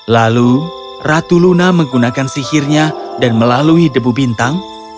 lalu ratu luna menggunakan sihirnya dan melalui debu bintang